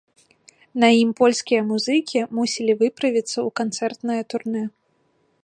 На ім польскія музыкі мусілі выправіцца ў канцэртнае турнэ.